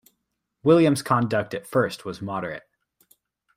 William’s conduct at first was moderate.